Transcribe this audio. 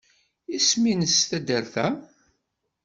Isem-nnes taddart-a?